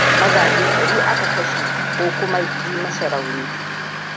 Mazaje dari aka kashe ko kuma ji musu rauni.